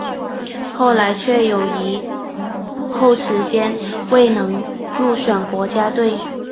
后来却有一后时间未能入选国家队。